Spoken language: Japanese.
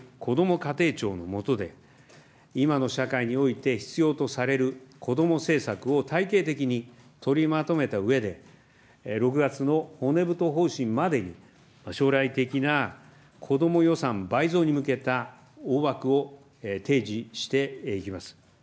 家庭庁の下で、今の社会において必要とされる子ども政策を体系的に取りまとめたうえで、６月の骨太方針までに、将来的な子ども予算倍増に向けた大枠を提示していきます。